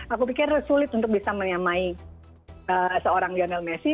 aku pikir sulit untuk bisa menyamai seorang lionel messi